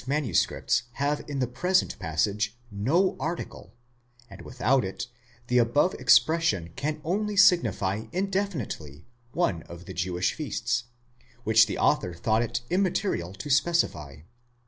manuscripts have in the present passage no article, and without it, the above expression can only signify indefinitely one of the Jewish feasts, which the author thought it immaterial to specify.